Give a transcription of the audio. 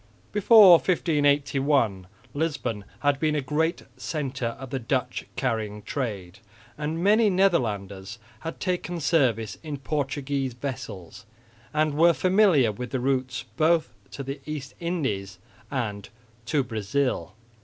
Before 1581 Lisbon had been a great centre of the Dutch carrying trade; and many Netherlanders had taken service in Portuguese vessels and were familiar with the routes both to the East Indies and to Brazil.